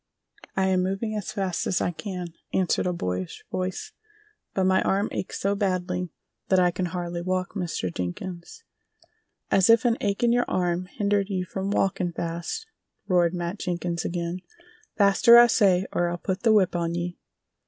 "I am moving as fast as I can," answered a boyish voice, "but my arm aches so badly that I can hardly walk, Mr. Jenkins." "As if an ache in your arm hindered you from walkin' fast!" roared Matt Jenkins again. "Faster, I say, or I'll put the whip on ye!"